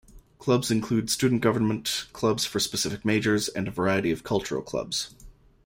Clubs include student government, clubs for specific majors, and a variety of cultural clubs.